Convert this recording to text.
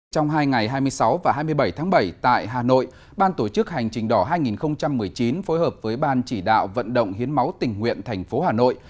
trong hai ngày hai mươi sáu và hai mươi bảy tháng bảy tại hà nội ban tổ chức hành trình đỏ hai nghìn một mươi chín phối hợp với ban chỉ đạo vận động hiến máu tình nguyện thành phố hà nội